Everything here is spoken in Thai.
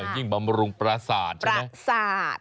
ยิ่งบำรุงประสาทใช่ไหมประสาท